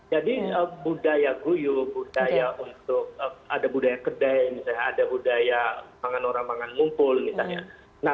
jadi budaya guyup budaya untuk ada budaya kedai misalnya ada budaya pangan orang orang mumpul misalnya